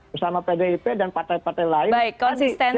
bersama pdip dan partai partai lain